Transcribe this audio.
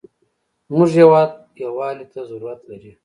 زموږ هېواد یوالي ته ضرورت لري.